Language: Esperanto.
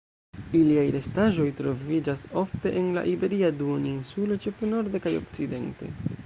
Iliaj restaĵoj troviĝas ofte en la Iberia Duoninsulo ĉefe norde kaj okcidente.